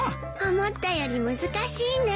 思ったより難しいね。